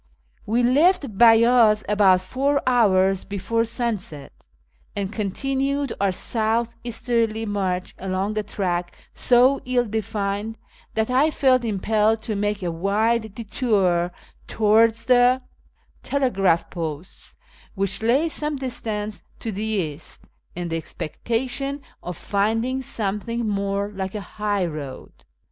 We left Beyaz about four hours before sunset, and con tinued our south easterly march along a track so ill defined that I felt impelled to make a wide detour towards the FROM YEZD TO KIRMAn 425 telegraph posts, which lay some distance to the east, in the expectation of finding something more like a high road.